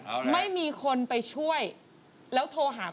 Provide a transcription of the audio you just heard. กับพอรู้ดวงชะตาของเขาแล้วนะครับ